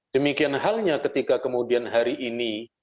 demikian halnya ketika kemudian hari ini